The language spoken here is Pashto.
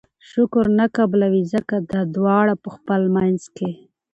شکر نه قبلوي!! ځکه دا دواړه په خپل منځ کي